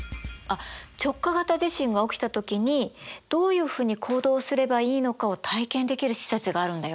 あっ直下型地震が起きた時にどういうふうに行動すればいいのかを体験できる施設があるんだよ。